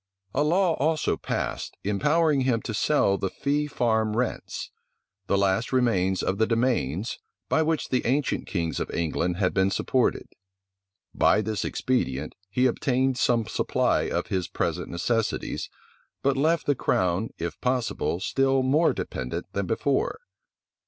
A law also passed, empowering him to sell the fee farm rents; the last remains of the demesnes, by which the ancient kings of England had been supported. By this expedient, he obtained some supply for his present necessities, but left the crown, if possible, still more dependent than before.